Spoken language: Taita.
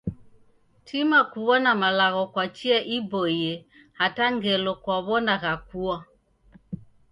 Tima kuw'ona malagho kwa chia iboie hata ngelo kwaw'ona ghakua.